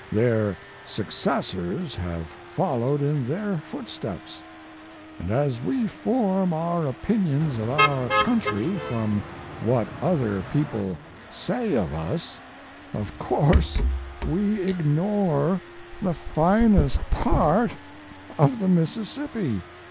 Their successors have followed in their footsteps, and as we form our opinions of our country from what other people say of us, of course we ignore the finest part of the Mississippi.